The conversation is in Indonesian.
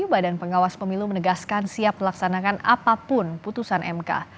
badan pengawas pemilu menegaskan siap melaksanakan apapun putusan mk